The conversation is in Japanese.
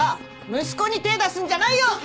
息子に手出すんじゃないよ！